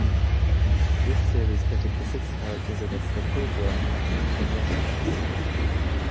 This series pitted the six characters against the Cobra and Ming the Merciless.